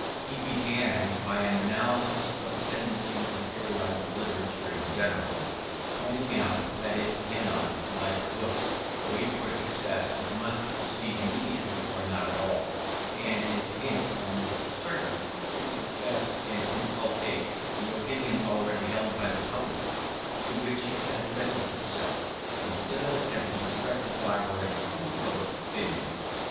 He began by an analysis of the tendencies of periodical literature in general; pointing out, that it cannot, like books, wait for success, but must succeed immediately or not at all, and is hence almost certain to profess and inculcate the opinions already held by the public to which it addresses itself, instead of attempting to rectify or improve those opinions.